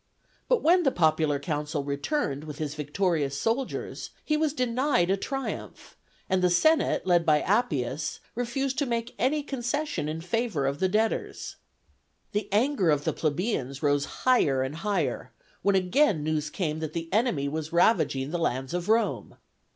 But when the popular consul returned with his victorious soldiers, he was denied a triumph, and the senate, led by Appius, refused to make any concession in favor of the debtors. The anger of the plebeians rose higher and higher, when again news came that the enemy was ravaging the lands of Rome.